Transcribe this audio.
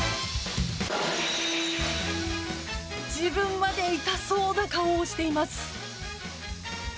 自分まで痛そうな顔をしています。